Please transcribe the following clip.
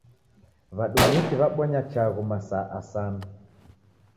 W'adumiki w'abonya chaghu masaa asanu.